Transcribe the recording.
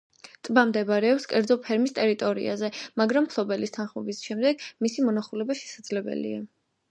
ტბა მდებარეობს კერძო ფერმის ტერიტორიაზე, მაგრამ მფლობელის თანხმობის შემდეგ მისი მონახულება შესაძლებელია.